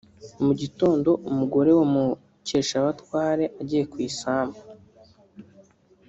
Mu gitondo umugore wa Mukeshabatware agiye ku isambu